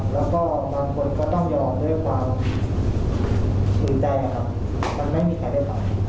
แล้วก็บางคนก็ต้องยอมด้วยความภูมิใจนะครับมันไม่มีใครได้ไป